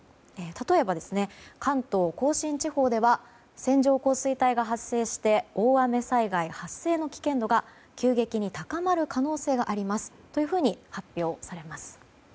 例えば、関東・甲信地方では線状降水帯が発生して大雨災害発生の危険度が急激に高まる可能性がありますというふうに発表されます。